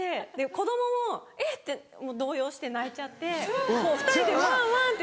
子供も「えっ？」て動揺して泣いちゃってもう２人でウワンウワンって。